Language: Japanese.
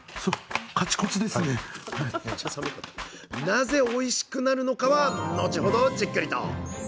なぜおいしくなるのかは後ほどじっくりと。